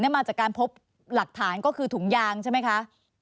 มาจากการพบหลักฐานก็คือถุงยางใช่ไหมคะ